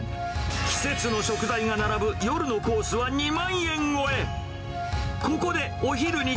季節の食材が並ぶ、夜のコースは２万円超え。